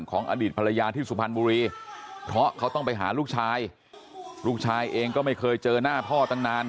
อดีตภรรยาที่สุพรรณบุรีเพราะเขาต้องไปหาลูกชายลูกชายเองก็ไม่เคยเจอหน้าพ่อตั้งนาน